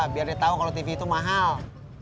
biar dia tahu kalau tv itu mahal